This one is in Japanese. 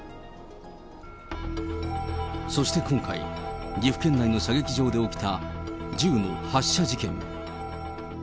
そして今回、岐阜県内の射撃場で起きた銃の発射事件。